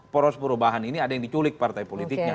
poros perubahan ini ada yang diculik partai politiknya